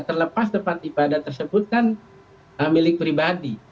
terlepas tempat ibadah tersebut kan milik pribadi